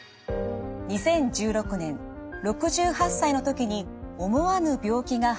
２０１６年６８歳の時に思わぬ病気が発覚しました。